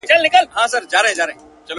د پاچا له فقیرانو سره څه دي؟!!